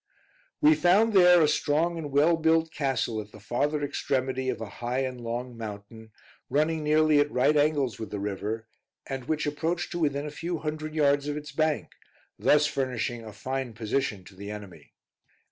We found there a strong and well built castle at the farther extremity of a high and long mountain, running nearly at right angles with the river, and which approached to within a few hundred yards of its bank; thus furnishing a fine position to the enemy.